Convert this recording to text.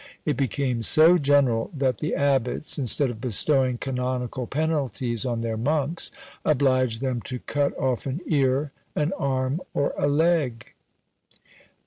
It became so general that the abbots, instead of bestowing canonical penalties on their monks, obliged them to cut off an ear, an arm, or a leg!